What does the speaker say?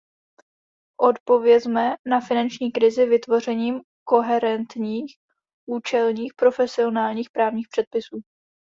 Odpovězme na finanční krizi vytvořením koherentních, účelných, profesionálních právních předpisů.